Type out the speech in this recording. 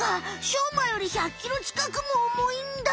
しょうまより１００ｋｇちかくもおもいんだ！